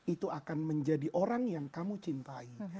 itu akan menjadi orang yang kamu cintai